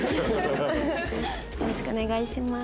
よろしくお願いします。